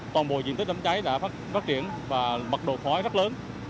toàn bộ diện tích đám cháy đã phát triển và mật độ khói rất lớn